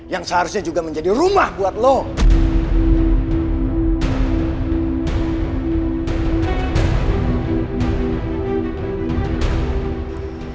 yang seharusnya juga menjadi rumah untukmu